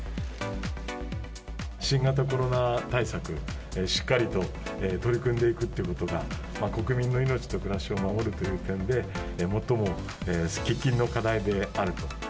新型コロナ対策、しっかりと取り組んでいくっていうことが、国民の命と暮らしを守るという点で、最も喫緊の課題であると。